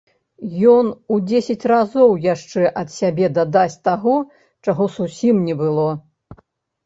Ён у дзесяць разоў яшчэ ад сябе дадасць таго, чаго зусім не было.